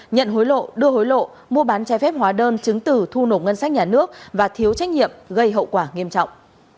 nhận hối lộ đưa hối lộ mua bán trái phép hóa đơn chứng từ thu nộp ngân sách nhà nước và thiếu trách nhiệm gây hậu quả nghiêm trọng